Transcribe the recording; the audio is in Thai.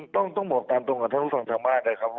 ผมเองต้องบอกตามทุกคนที่รู้สึกทางมาก